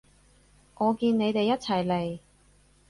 我見你哋一齊嚟